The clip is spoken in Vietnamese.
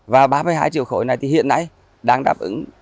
và ba mươi hai triệu khối này thì hiện nay đang đáp ứng